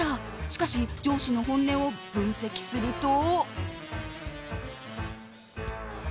しかし、上司の本音を分析すると。